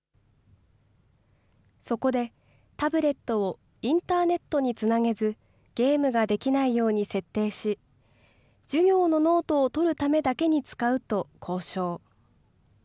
そこで、タブレットをインターネットにつなげず、ゲームができないように設定し、授業のノートを取るためだけに使うと交渉。